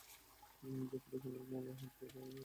যে পুলিশ আমার মালে হাত লাগিয়েছে তাকে খুন করেছি।